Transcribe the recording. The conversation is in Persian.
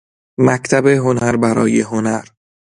مکتب هنر برای هنر